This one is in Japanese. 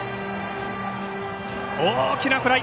大きなフライ。